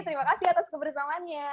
terima kasih atas kebersamaannya